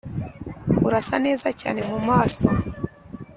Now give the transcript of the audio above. urasa neza cyane mu maso.